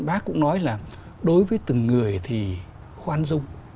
bác cũng nói là đối với từng người thì khoan dung